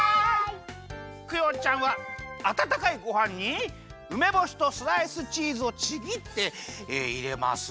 クヨちゃんはあたたかいごはんにうめぼしとスライスチーズをちぎっていれます。